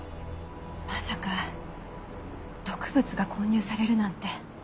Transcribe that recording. まさか毒物が混入されるなんて。